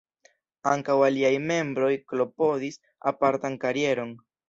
Ankaŭ aliaj membroj klopodis apartan karieron.